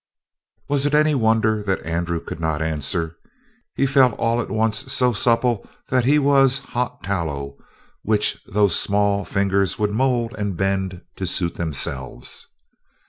Was it any wonder that Andrew could not answer? He felt all at once so supple that he was hot tallow which those small fingers would mold and bend to suit themselves.